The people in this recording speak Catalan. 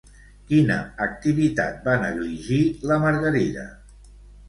Quina activitat va negligir la Margarida?